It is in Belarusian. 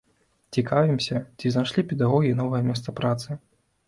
Цікавімся, ці знайшлі педагогі новае месца працы.